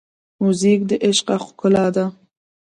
موزیک د عشقه ښکلا ده.